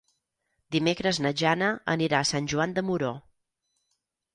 Dimecres na Jana anirà a Sant Joan de Moró.